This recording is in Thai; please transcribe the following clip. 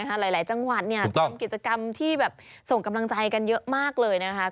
หลายจังหวัดทำกิจกรรมที่แบบส่งกำลังใจกันเยอะมากเลยนะคะ